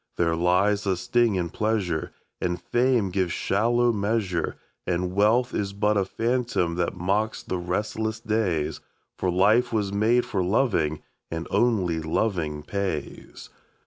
There lies a sting in pleasure, And fame gives shallow measure, And wealth is but a phantom that mocks the restless days, For life was made for loving, and only loving pays.